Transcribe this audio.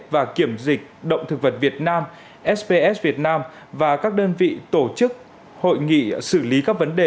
và kiểm dịch động thực vật việt nam sps việt nam và các đơn vị tổ chức hội nghị xử lý các vấn đề